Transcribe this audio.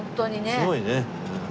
すごいね。